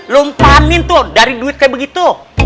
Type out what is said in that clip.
lumpanin tuh dari duit kayak begitu